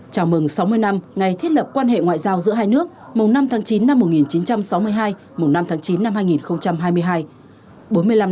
chào mừng sáu mươi năm ngày thiết lập quan hệ ngoại giao giữa hai nước mùng năm tháng chín năm một nghìn chín trăm sáu mươi hai mùng năm tháng chín năm hai nghìn hai mươi hai